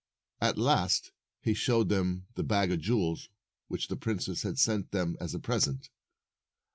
At last he showed them the bag of jewels which the princess had sent them as a present.